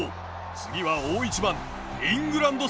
次は大一番イングランド戦。